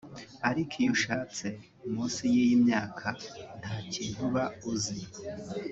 Ariko iyo ushatse munsi y’ iyi myaka nta kintu uba uzi